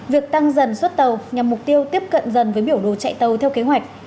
việc tăng dần suất tàu nhằm mục tiêu tiếp cận dần với biểu đồ chạy tàu theo kế hoạch